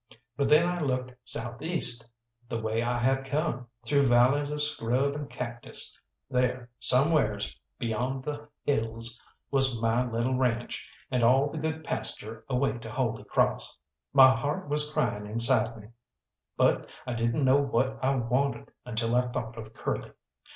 But then I looked south east, the way I had come, through valleys of scrub and cactus; there, somewheres beyond the hills, was my little ranch, and all the good pasture away to Holy Cross. My heart was crying inside me, but I didn't know what I wanted until I thought of Curly.